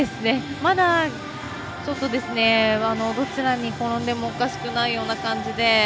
まだ、ちょっとどちらに転んでもおかしくないような感じで。